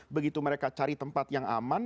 begitu mereka cari tempat yang aman